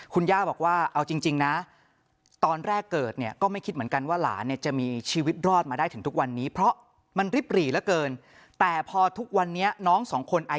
คุณย่าบอกว่าเอาจริงนะครับย่าบอกเลยว่าไอคำว่าปฏิหารที่เคยได้ยินบ่อยเนี่ยเพิ่งจะสัมผัสเป็นครั้งแรกในชีวิตก็เหตุการณ์นี้แหละครับ